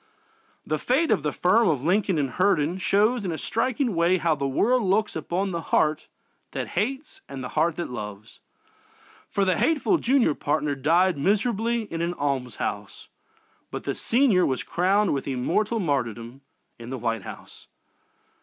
The fate of the firm of Lincoln & Herndon shows in a striking way how the world looks upon the heart that hates and the heart that loves, for the hateful junior partner died miserably in an almshouse, but the senior was crowned with immortal martyrdom in the White House.